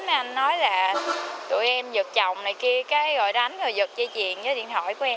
mấy anh nói là tụi em giật chồng này kia cái rồi đánh rồi giật chê chuyện với điện thoại của em